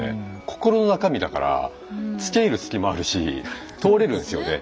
心の中身だからつけいる隙もあるし通れるんですよね。